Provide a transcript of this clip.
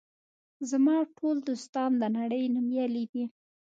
زما ټول دوستان د نړۍ نومیالي دي.